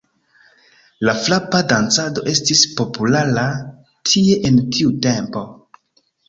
La frapa dancado estis populara tie en tiu tempo.